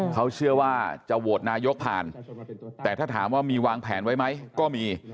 เขาเชื่อว่าจะโหวตนายกผ่านแต่ถ้าถามว่ามีวางแผนไว้ไหมก็มี